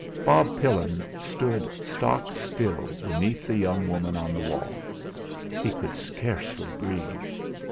Bob Pillin stood stock still beneath the young woman on the wall. He could scarcely breathe.